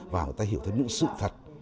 và người ta hiểu thêm những sự thật